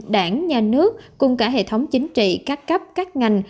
đảng nhà nước cùng cả hệ thống chính trị các cấp các ngành